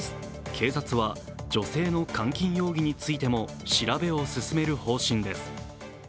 警察は女性の監禁容疑についても調べを進める方針です。